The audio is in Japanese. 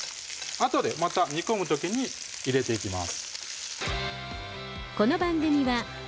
あとでまた煮込む時に入れていきます